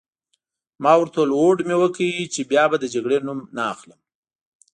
ما ورته وویل: هوډ مي وکړ چي بیا به د جګړې نوم نه اخلم.